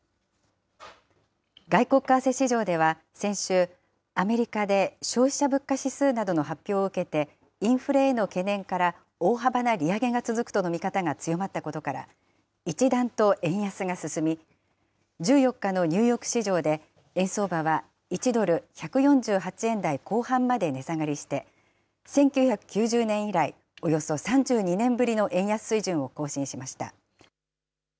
外国為替市場では、先週、アメリカで消費者物価指数などの発表を受けて、インフレへの懸念から大幅な利上げが続くとの見方が強まったことから、一段と円安が進み、１４日のニューヨーク市場で、円相場は１ドル１４８円台後半まで値下がりして、１９９０年以来、およそ３２年ぶりの円安水準を更新しました。